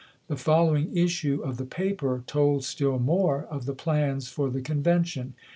The following issue of the paper told still more of the plans for the convention.